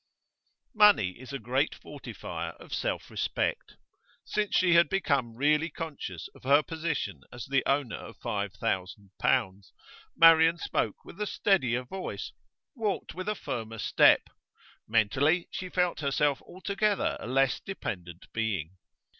Money is a great fortifier of self respect. Since she had become really conscious of her position as the owner of five thousand pounds, Marian spoke with a steadier voice, walked with firmer step; mentally she felt herself altogether a less dependent being.